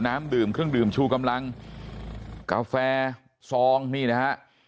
น้ำดื่มเครื่องดื่มชูกำลังกาแฟซองนี่นะฮะ